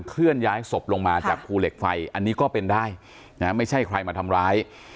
เคลื่อนย้ายศพลงมาจากภูเหล็กไฟอันนี้ก็เป็นได้นะไม่ใช่ใครมาทำร้าย